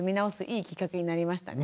いいきっかけになりましたね。